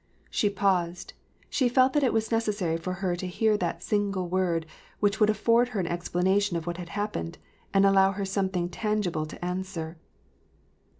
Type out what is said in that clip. She paused. She felt that it was a necessity for her to hear that "single word," which would afford her an explanation of what had happened, and allow her something tangible to an swer.